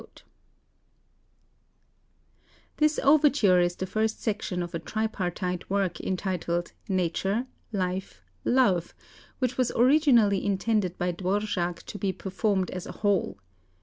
91 This overture is the first section of a tripartite work entitled "Nature, Life, Love," which was originally intended by Dvořák to be performed as a whole.